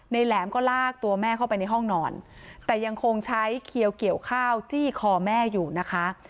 แหลมก็ลากตัวแม่เข้าไปในห้องนอนแต่ยังคงใช้เขียวเกี่ยวข้าวจี้คอแม่อยู่นะคะ